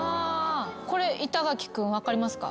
これ板垣君分かりますか？